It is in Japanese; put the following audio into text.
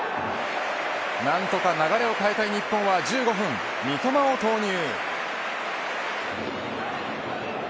何とか流れを変えたい日本は１５分三笘を投入。